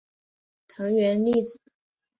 藤原丽子